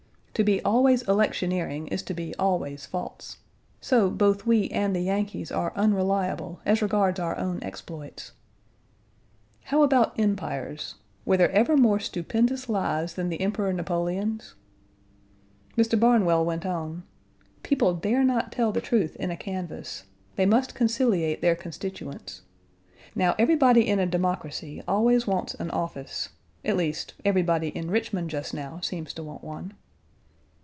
To be always electioneering is to be always false; so both we and the Yankees are unreliable as regards our own exploits. "How about empires? Were there ever more stupendous lies than the Emperor Napoleon's?" Mr. Barnwell went on: "People dare not tell the truth in a canvass; they must conciliate their constituents. Now everybody in a democracy always wants an office; at least, everybody in Richmond just now seems to want one."